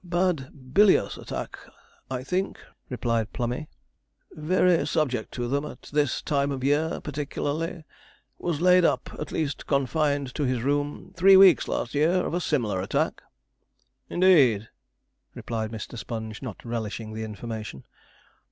'Bad bilious attack, I think,' replied Plummey 'very subject to them, at this time of year particklarly; was laid up, at least confined to his room, three weeks last year of a similar attack.' 'Indeed!' replied Mr. Sponge, not relishing the information.